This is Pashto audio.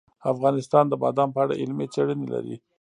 افغانستان د بادام په اړه علمي څېړنې لري.